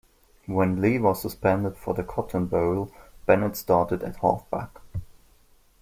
When Lee was suspended for the Cotton Bowl, Bennett started at halfback.